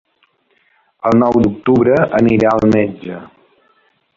El nou d'octubre anirà al metge.